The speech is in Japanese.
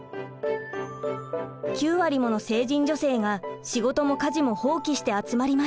９割もの成人女性が仕事も家事も放棄して集まりました。